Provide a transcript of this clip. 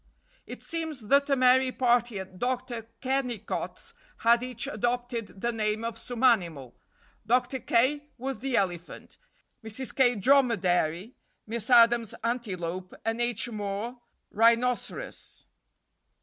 It seems that a merry party at Dr. Kennicott's had each adopted the name of some animal. Dr. K. was the elephant; Mrs. K., dromedary; Miss Adams, antelope; and H. More, rhinoceros.